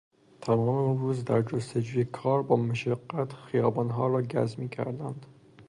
تمام روز در جستجوی کار با مشقت خیابانها را گز میکردند.